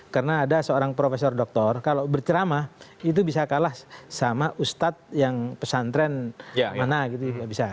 karena ada seorang profesor doktor kalau bercerama itu bisa kalah sama ustad yang pesantren mana gitu ya bisa